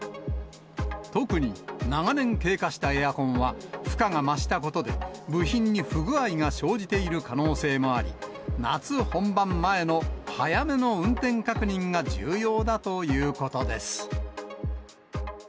特に長年経過したエアコンは、負荷が増したことで、部品に不具合が生じている可能性もあり、夏本番前の早めの運転確認が重要だということです。